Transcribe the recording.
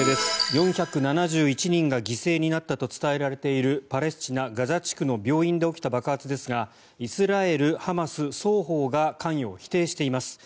４７１人が犠牲となったと伝えられているパレスチナ・ガザ地区の病院で起きた爆発ですがイスラエル、ハマス双方が関与を否定しています。